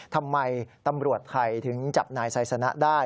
ทำไมตำรวจไทยถึงจับนายไซสนะได้